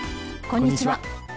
こんにちは。